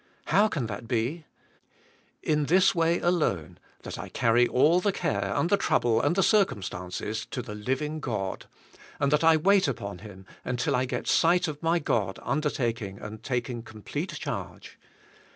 How can that be? In this way alone, that I carry all the care and the trouble and the cir cumstances to the living God, and that I wait upon Him until I get sight of my God undertaking and taking complete charge.